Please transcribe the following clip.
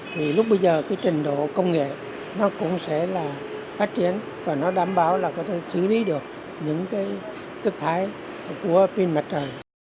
thì lúc bây giờ cái trình độ công nghệ nó cũng sẽ là phát triển và nó đảm bảo là có thể xử lý được những cái chất thải của pin mặt trời